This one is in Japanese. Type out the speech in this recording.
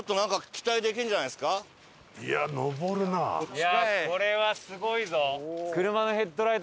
いやあこれはすごいぞ。